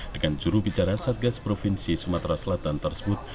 dengan jurubicara satgas provinsi sumatera selatan tersebut